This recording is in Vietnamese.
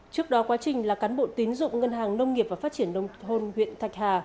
trước đó quá trình là cán bộ tín dụng ngân hàng nông nghiệp và phát triển nông thôn huyện thạch hà